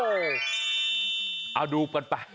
เอาดูป่ะ